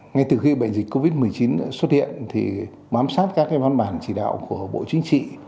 ngay từ khi bệnh dịch covid một mươi chín xuất hiện thì bám sát các văn bản chỉ đạo của bộ chính trị